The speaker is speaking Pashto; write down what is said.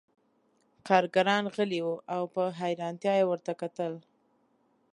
کارګران غلي وو او په حیرانتیا یې ورته کتل